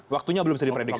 waktunya belum bisa diprediksi